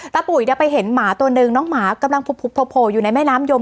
ปุ๋ยไปเห็นหมาตัวหนึ่งน้องหมากำลังโผล่อยู่ในแม่น้ำยม